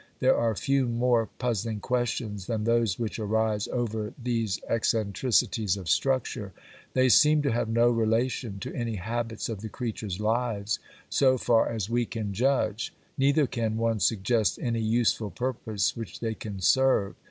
There are few more puzzling questions than those which arise over these eccentricities of structure; they seem to have no relation to any habits of the creatures' lives so far as we can judge, neither can one suggest any useful purpose which they can serve.